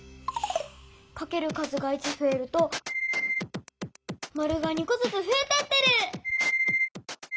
かける数が１ふえるとマルが２こずつふえてってる！